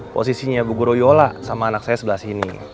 posisinya bu guruyola sama anak saya sebelah sini